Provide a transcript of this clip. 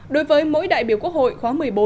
đối với mỗi đại biểu quốc hội khóa một mươi bốn